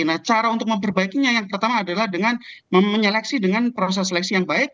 nah cara untuk memperbaikinya yang pertama adalah dengan menyeleksi dengan proses seleksi yang baik